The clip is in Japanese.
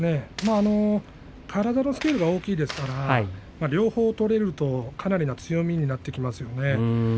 体のスケールが大きいですから両方取れるとかなりの強みになってきますよね。